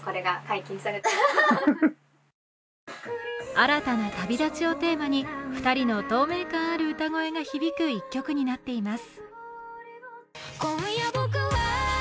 新たな旅立ちをテーマに２人の透明感ある歌声が響く一曲になっています。